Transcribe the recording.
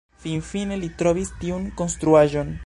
Finfine li trovis tiun konstruaĵon.